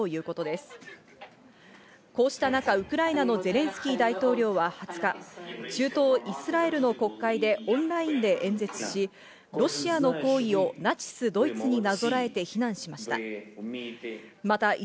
こうした中、ウクライナのゼレンスキー大統領は２０日、中東イスラエルの国会でオンラインで演説し、ロシアの行為をナチスドイツになぞらえて非難しました。